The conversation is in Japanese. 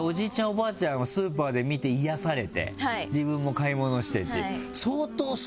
おばあちゃんをスーパーで見て癒やされて自分も買い物してっていう。